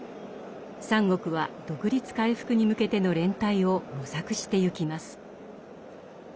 三国は独立回復に向けての連帯を模索してゆきます。